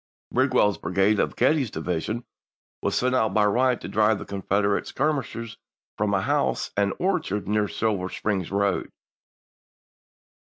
Bid well's brigade of Getty's division was sent out by Wright to drive the Confederate skirmishers from a house and orchard near the Silver Spring road.